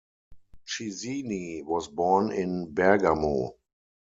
Chisini was born in Bergamo.